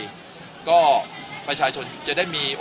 คุณคิดเรื่องนี้ได้ไหม